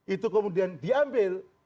itu kemudian diambil